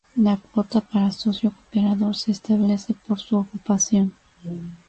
La cuota para Socio Cooperador se establece por su ocupación.